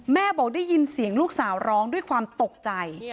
บอกได้ยินเสียงลูกสาวร้องด้วยความตกใจ